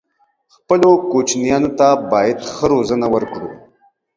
خپلو کوچنيانو ته بايد ښه روزنه ورکړو